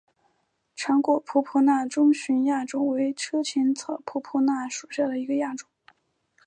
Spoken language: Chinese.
长果婆婆纳中甸亚种为车前草科婆婆纳属下的一个亚种。